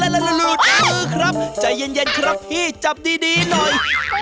แล้วลูกมือครับใจเย็นครับพี่จับดีหน่อย